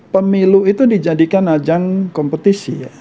pemilu itu dijadikan ajang kompetisi